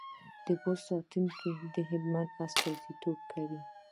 بست ساتونکي د هلمند استازیتوب کوي.